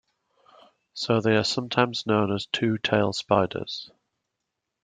So they are also sometimes known as "two-tailed spiders".